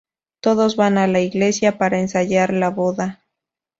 Todos van a la iglesia para ensayar la boda.